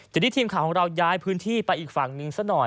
ทีนี้ทีมข่าวของเราย้ายพื้นที่ไปอีกฝั่งหนึ่งซะหน่อย